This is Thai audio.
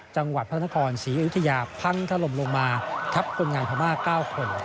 จังหวัดพระนครศรีอยุธยาพังถล่มลงมาทับคนงานพม่า๙คน